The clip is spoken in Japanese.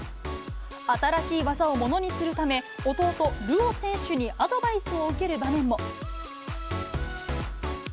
新しい技をものにするため、弟、るお選手にアドバイスを受ける場面も。